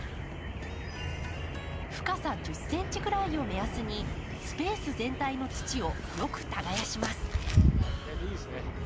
深さ１０ｃｍぐらいを目安にスペース全体の土をよく耕します。